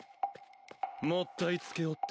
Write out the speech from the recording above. もったいつけおって。